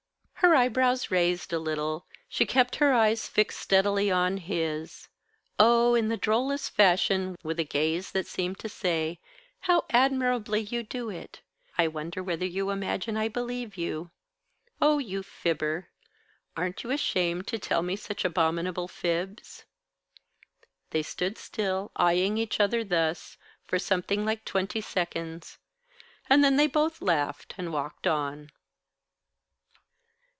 Her eyebrows raised a little, she kept her eyes fixed steadily on his oh, in the drollest fashion, with a gaze that seemed to say "How admirably you do it! I wonder whether you imagine I believe you. Oh, you fibber! Aren't you ashamed to tell me such abominable fibs ?" They stood still, eyeing each other thus, for something like twenty seconds, and then they both laughed and walked on.